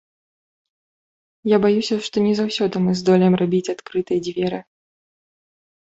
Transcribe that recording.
Я баюся, што не заўсёды мы здолеем рабіць адкрытыя дзверы.